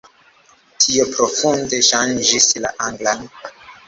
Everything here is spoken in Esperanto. Tio profunde ŝanĝis la anglan.